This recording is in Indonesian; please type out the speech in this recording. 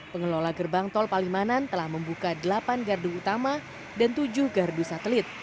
pengelola gerbang tol palimanan telah membuka delapan gardu utama dan tujuh gardu satelit